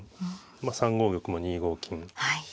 ３五玉も２五金。